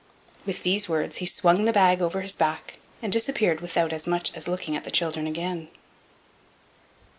With these words he swung the bag over his back, and disappeared without as much as looking at the children again.